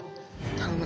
頼む！